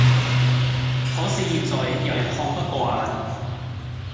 可是現在有人看不過眼